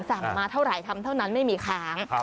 สั่งมาเท่าไหร่ทำเท่านั้นไม่มีค้าง